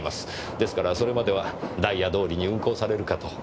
ですからそれまではダイヤ通りに運行されるかと。